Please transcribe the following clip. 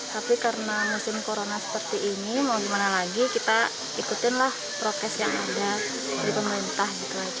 tapi karena musim corona seperti ini mau gimana lagi kita ikutin lah prokes yang ada di pemerintah